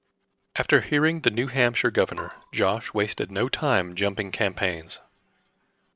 After hearing the New Hampshire governor, Josh wasted no time jumping campaigns.